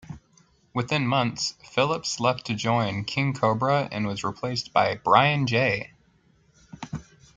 Within months, Phillips left to join King Kobra and was replaced by Brian Jay.